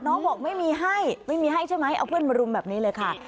บอกไม่มีให้ไม่มีให้ใช่ไหมเอาเพื่อนมารุมแบบนี้เลยค่ะ